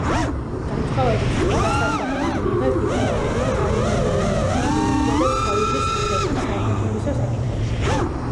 განსხვავებით წმინდა საყდარი, არ მიიღეს დიპლომატიურმა წარმომადგენლებმა და იგი მოქმედებს თავისი სახელით, საერთაშორისო საკითხებში.